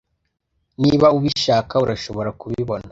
Niba ubishaka urashobora kubibona